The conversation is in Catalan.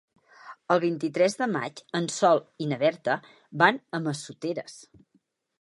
El vint-i-tres de maig en Sol i na Berta van a Massoteres.